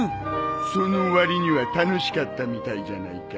そのわりには楽しかったみたいじゃないか。